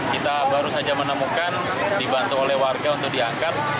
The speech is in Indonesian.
kita baru saja menemukan dibantu oleh warga untuk diangkat